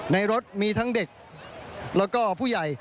ในรถมีทั้งเด็กแล้วก็ผู้ใหญ่